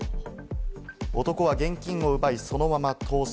男は現金を奪いそのまま逃走。